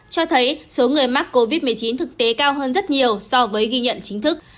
cho thấy số người mắc covid một mươi chín thực tế cao hơn rất nhiều so với ghi nhận chính thức